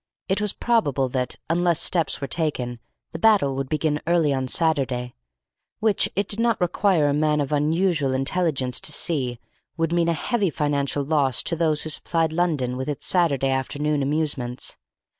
It was probable that, unless steps were taken, the battle would begin early on Saturday. Which, it did not require a man of unusual intelligence to see, would mean a heavy financial loss to those who supplied London with its Saturday afternoon amusements.